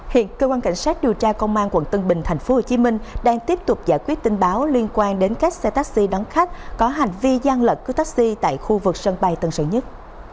hiện cơ quan cảnh sát điều tra công an quận tân bình tp hcm đang tiếp tục giải quyết tin báo liên quan đến các xe taxi đón khách có hành vi gian lận cứ taxi tại khu vực sân bay tân sơn nhất